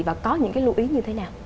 và có những cái lưu ý như thế nào